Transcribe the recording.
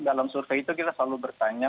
dalam survei itu kita selalu bertanya